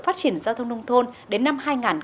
phát triển giao thông nông thôn đến năm hai nghìn ba mươi